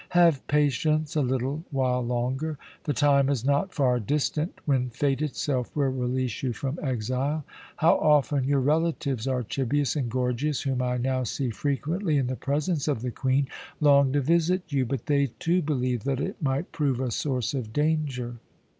Have patience a little while longer. The time is not far distant when Fate itself will release you from exile. How often your relatives, Archibius and Gorgias, whom I now see frequently in the presence of the Queen, long to visit you! but they, too, believe that it might prove a source of danger."